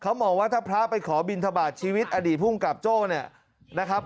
เขามองว่าถ้าพระไปขอบินทบาทชีวิตอดีตภูมิกับโจ้เนี่ยนะครับ